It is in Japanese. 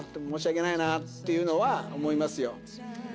申し訳ないな」っていうのは思いますよ。